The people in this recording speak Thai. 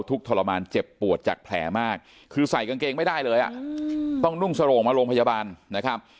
ทุกข์ทรมานเจ็บปวดจากแผลมากคือใส่กางเกนท์ไม่ได้เลยอะต้องโรงพยาบาลนะครับ